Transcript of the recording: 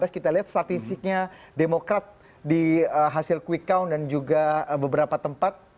kita lihat statistiknya demokrat di hasil quick count dan juga beberapa tempat